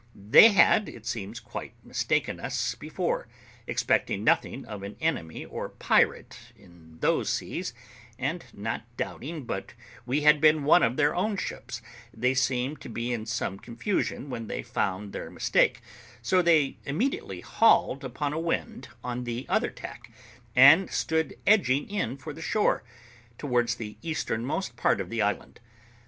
They had, it seems, quite mistaken us before, expecting nothing of an enemy or a pirate in those seas; and, not doubting but we had been one of their own ships, they seemed to be in some confusion when they found their mistake, so they immediately hauled upon a wind on the other tack, and stood edging in for the shore, towards the easternmost part of the island.